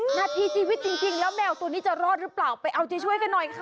หน้าที่ชีวิตจริงแล้วแมวตัวนี้จะรอดหรือเปล่าไปเอาใจช่วยกันหน่อยค่ะ